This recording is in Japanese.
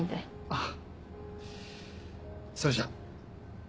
あぁ。それじゃあ。